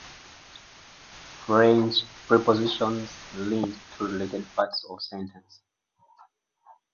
French prepositions link two related parts of a sentence.